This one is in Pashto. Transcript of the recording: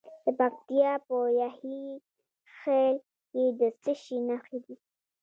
د پکتیکا په یحیی خیل کې د څه شي نښې دي؟